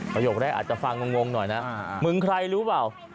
ประโยคแรกอาจจะฟังงงหน่อยนะมึงใครรู้เปล่า